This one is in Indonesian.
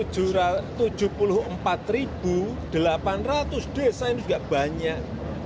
jadi tujuh puluh empat delapan ratus desa ini tidak banyak